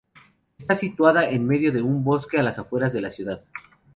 Está situada en medio de un bosque a las afueras de la ciudad.